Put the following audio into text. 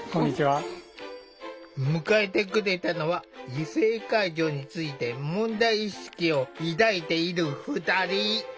迎えてくれたのは異性介助について問題意識を抱いている２人。